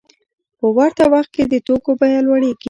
په ورته وخت کې د توکو بیه لوړېږي